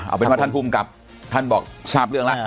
เอาเป็นว่าท่านภูมิกับท่านบอกทราบเรื่องแล้ว